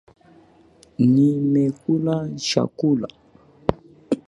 Nimekula chakula.